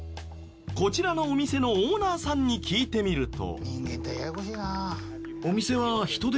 こちらのお店のオーナーさんに聞いてみると。